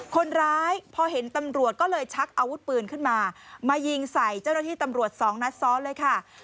คนร้ายพอเห็นตำรวจก็เลยชักอาวุธปืนขึ้นมามายิงใส่เจ้าหน้าที่ตำรวจสองนัดซ้อนเลยค่ะ